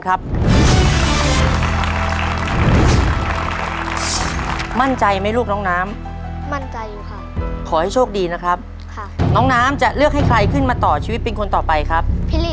ตัวเลือกที่สี่ทองหยิบทองหยอดฝอยทองครับ